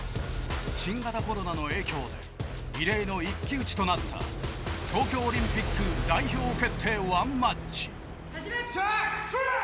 新型コロナの影響で異例の一騎打ちとなった東京オリンピック代表決定ワンマッチ。